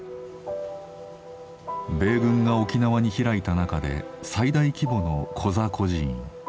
米軍が沖縄に開いた中で最大規模のコザ孤児院。